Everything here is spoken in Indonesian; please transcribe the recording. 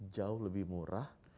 jauh lebih murah